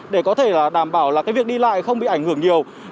để có thể đảm bảo việc đi lại không bị ảnh hưởng nhiều